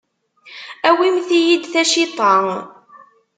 Awimt-iyi-d taciṭa.